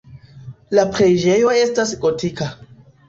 La preĝejo estas gotika.